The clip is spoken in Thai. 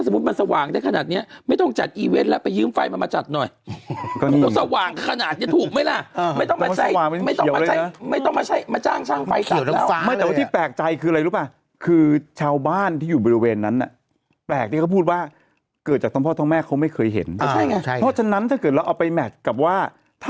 ซึ่งความจริงเอาจริงเค้าจึงบอกไงว่า